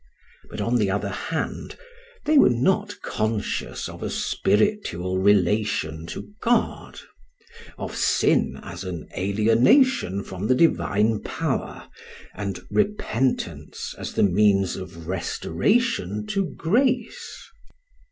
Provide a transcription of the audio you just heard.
But on the other hand they were not conscious of a spiritual relation to God, of sin as an alienation from the divine power and repentance as the means of restoration to grace.